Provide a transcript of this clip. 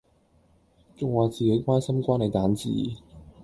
仲話自己開心關你蛋治